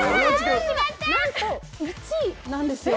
なんと１位なんですよ。